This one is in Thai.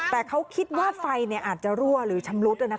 แต่เขาคิดว่าไฟอาจจะรั่วหรือชำรุด